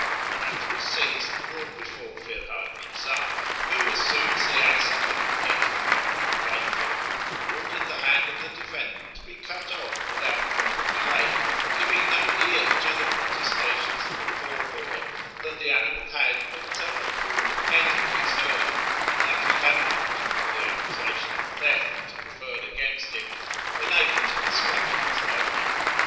The latter was seized and brought before Ferhad Mirza, who, as soon as the ass had been identified by the plaintiff, ordered the hand of the defendant to be cut off without further delay, giving no ear to the protestations of the poor boy that the animal had of its own accord entered his herd, and that he had not, till the accusation of theft was preferred against him, I been able to discover its owner.